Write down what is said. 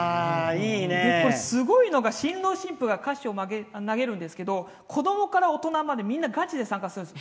これ、すごいのが新郎新婦が菓子を投げるんですけど子どもから大人まで、みんなガチで参加するんです。